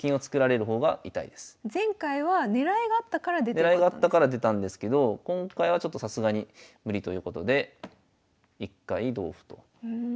狙いがあったから出たんですけど今回はちょっとさすがに無理ということで一回同歩と応じておきます。